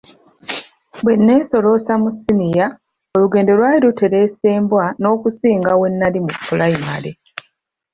Bwe neesolossa mu Ssiniya, olugendo lwali luteresa embwa n'okusinga we nnali mu ppulayimale.